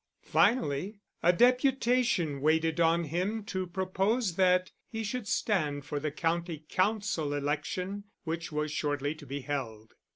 Finally, a deputation waited on him to propose that he should stand for the County Council election which was shortly to be held.